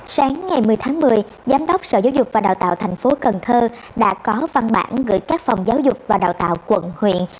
sáng ngày một mươi tháng một mươi giám đốc sở giáo dục và đào tạo tp cn đã có văn bản gửi các phòng giáo dục và đào tạo quận huyện